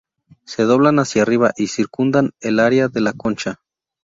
Se doblan hacia arriba y circundan el área de la concha.